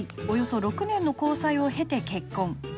およそ６年の交際を経て結婚。